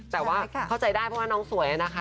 แต่ว่าเข้าใจได้เพราะว่าน้องสวยนะคะ